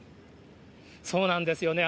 そうなんですよね。